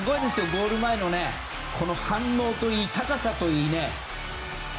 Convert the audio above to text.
ゴール前の反応といい高さといい。